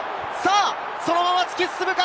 そのまま突き進むか？